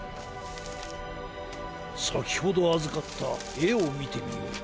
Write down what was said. さきほどあずかったえをみてみよう。